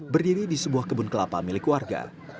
berdiri di sebuah kebun kelapa milik warga